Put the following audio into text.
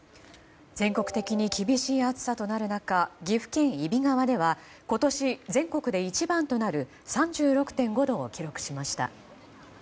全国的に厳しい暑さとなる中岐阜県揖斐川では今年全国で一番となる３６．５度を記録しました。